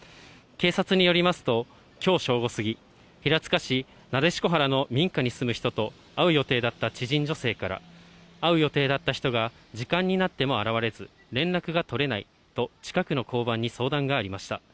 警察によりますと、きょう正午過ぎ、平塚市撫子原の民家に住む人と会う予定だった知人女性から、会う予定だった人が時間になっても現れず、連絡が取れないと、近くの交番に相談がありました。